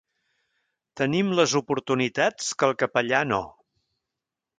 Tenim les oportunitats que el capellà no.